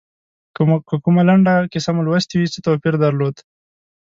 که کومه لنډه کیسه مو لوستي وي څه توپیر درلود.